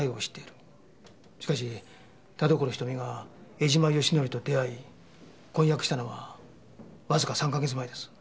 しかし田所瞳が江島義紀と出会い婚約したのはわずか３か月前です。